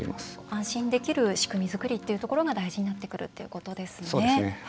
安心できる仕組み作りというのが大事になってくるということですね。